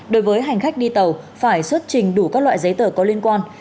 đối với hành khách đi tàu phải xuất trình đủ các loại giấy tờ có liên quan